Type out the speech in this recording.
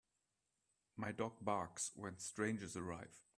My dog barks when strangers arrive.